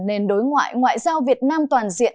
nền đối ngoại ngoại giao việt nam toàn diện